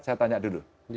saya tanya dulu